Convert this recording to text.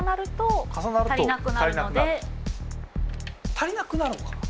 足りなくなるのか。